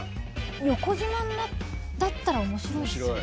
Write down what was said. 横じまだったら面白いですよね。